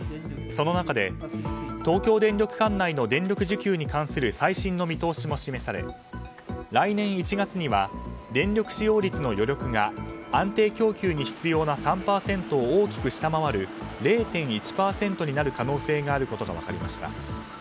その中で、東京電力管内の電力需給に関する最新の見通しも示され来年１月には電力使用率の余力が安定供給に必要な３％を大きく下回る０．１％になる可能性があることが分かりました。